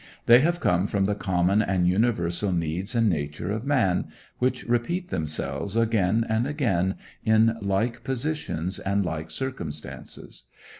They have come from the common and universal needs and nature of man, which repeat themselves again and again in like positions and like circumstances.